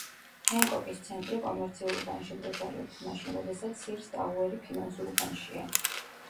ჰენკოკის ცენტრი კომერციულ უბანში მდებარეობს, მაშინ როდესაც სირს ტაუერი ფინანსურ უბანშია.